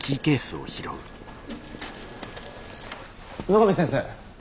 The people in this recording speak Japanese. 野上先生。